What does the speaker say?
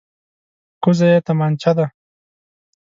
کوزه یې تمانچه ده.